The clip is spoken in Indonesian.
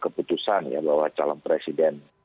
keputusan ya bahwa calon presiden